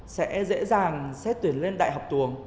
sẽ dễ dàng xét tuyển lên đại học tuồng